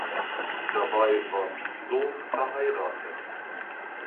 Dabei war Piso verheiratet.